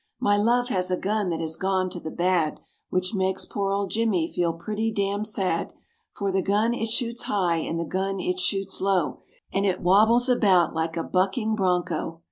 My love has a gun that has gone to the bad, Which makes poor old Jimmy feel pretty damn sad; For the gun it shoots high and the gun it shoots low, And it wobbles about like a bucking broncho.